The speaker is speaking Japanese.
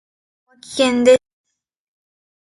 ここは危険です。